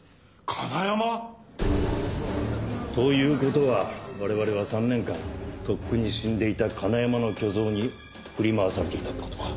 金山！？ということは我々は３年間とっくに死んでいた金山の虚像に振り回されていたってことか。